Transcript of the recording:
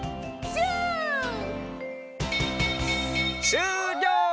しゅうりょう！